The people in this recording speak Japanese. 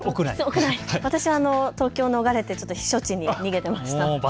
私は東京を逃れて避暑地に逃げていました。